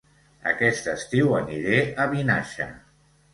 Aquest estiu aniré a Vinaixa